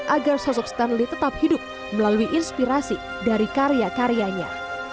agar sosok stanley tetap hidup melalui inspirasi dari karya karyanya